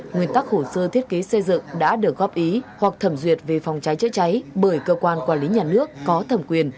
nguyên tắc hồ sơ thiết kế xây dựng đã được góp ý hoặc thẩm duyệt về phòng cháy chữa cháy bởi cơ quan quản lý nhà nước có thẩm quyền